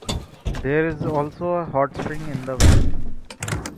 There is also a hot spring in the valley.